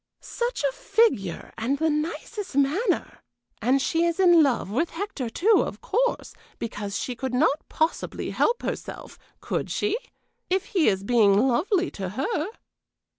"Such a figure and the nicest manner, and she is in love with Hector, too, of course because she could not possibly help herself could she? if he is being lovely to her."